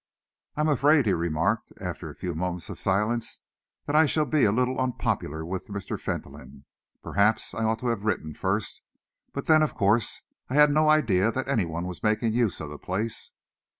"I am afraid," he remarked, after a few moments of silence, "that I shall be a little unpopular with Mr. Fentolin. Perhaps I ought to have written first, but then, of course, I had no idea that any one was making use of the place."